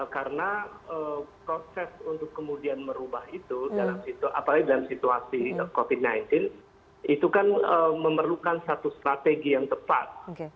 karena proses untuk kemudian merubah itu apalagi dalam situasi covid sembilan belas itu kan memerlukan satu strategi yang tepat